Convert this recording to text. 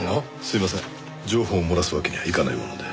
すいません情報を漏らすわけにはいかないもので。